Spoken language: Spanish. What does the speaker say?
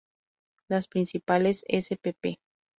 Las principales spp.